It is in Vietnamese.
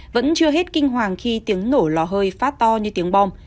vẫn chưa hết kinh hoàng khi tiếng nổ lò hơi phát to như tiếng bom